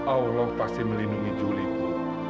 allah pasti melindungi juli bu